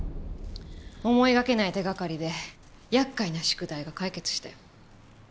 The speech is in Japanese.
思いがけない手がかりで厄介な宿題が解決したよ。